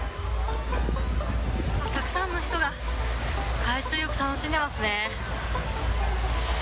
たくさんの人が海水浴楽しんでますね。